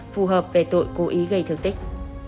phù hợp về tội cố ý gây thương tích